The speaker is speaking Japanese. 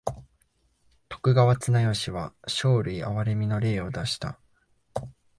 徳川綱吉は生類憐みの令を出した。